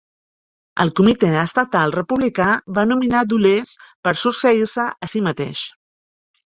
El comitè estatal republicà va nominar Dulles per succeir-se a si mateix.